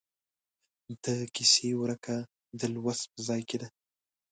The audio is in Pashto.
د کیسې ورکه د لوست په ځای کې ده.